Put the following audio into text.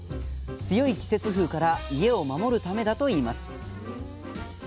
強い季節風から家を守るためだといいます。